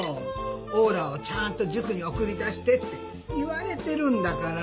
王羅をちゃんと塾に送り出してって言われてるんだから。